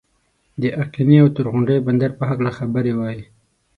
د آقینې او تور غونډۍ بندر په هکله خبرې وای.